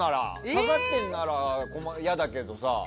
下がってるなら嫌だけどさ。